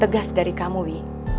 tegas dari kamu wi